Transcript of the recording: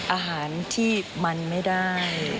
อาหารที่มันไม่ได้